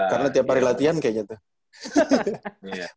karena tiap hari latihan kayaknya tuh